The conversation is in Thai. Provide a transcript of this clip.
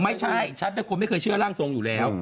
ไม่ใช่ฉันเป็นคนไม่เคยเชื่อร่างทรงอยู่แล้ว